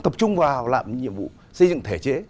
tập trung vào làm nhiệm vụ xây dựng thể chế